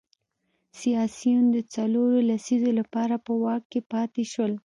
سیاسیون د څلورو لسیزو لپاره په واک کې پاتې شول.